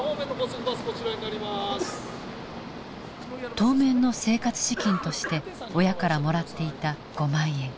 当面の生活資金として親からもらっていた５万円。